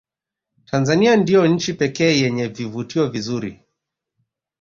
tanzania ndiyo nchi pekee yenye vivutio vinzuri